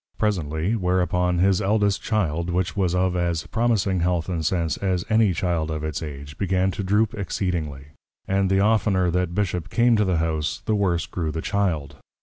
Presently, whereupon, his eldest Child, which was of as promising Health and Sense, as any Child of its Age, began to droop exceedingly; and the oftner that Bishop came to the House, the worse grew the Child.